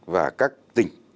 và các tỉnh